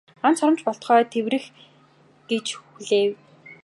Ганц хором ч болтугай тэврэх байх гэж хүлээв.